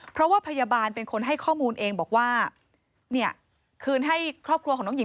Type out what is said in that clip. เพราะว่าพยาบาลเป็นคนให้ข้อมูลเองบอกว่าเนี่ยคืนให้ครอบครัวของน้องหญิง